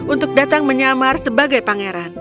untuk datang menyamar sebagai pangeran